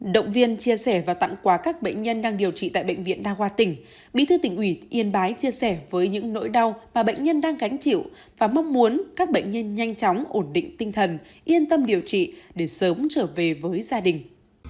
động viên chia sẻ và tặng quà các bệnh nhân đang điều trị tại bệnh viện đa khoa tỉnh bí thư tỉnh ủy yên bái chia sẻ với những nỗi đau mà bệnh nhân đang gánh chịu và mong muốn các bệnh nhân nhanh chóng ổn định tinh thần yên tâm điều trị để sớm trở về với gia đình